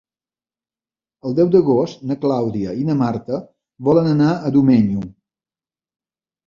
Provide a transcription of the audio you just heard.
El deu d'agost na Clàudia i na Marta volen anar a Domenyo.